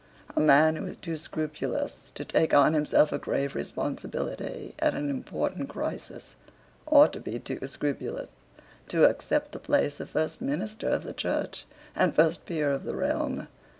A man who is too scrupulous to take on himself a grave responsibility at an important crisis ought to be too scrupulous to accept the place of first minister of the Church and first peer of the realm.